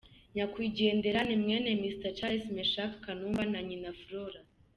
Nyakwigendera ni mwene Mr Charles Meshack Kanumba na nyina Flora.